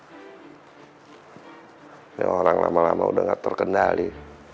ini orang lama lama udah nggak terkendali